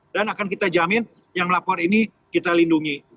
dan akan kita jamin yang melapor ini kita lindungi